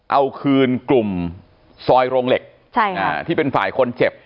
เอาคืนกลุ่มซอยโรงเหล็กที่เป็นฝ่ายคนเจ็บ